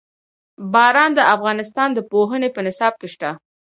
باران د افغانستان د پوهنې په نصاب کې شته.